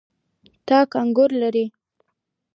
تاک انګور لري.